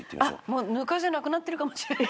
もうぬかじゃなくなってるかもしれない。